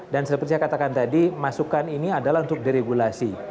dan seperti saya katakan tadi masukan ini adalah untuk deregulasi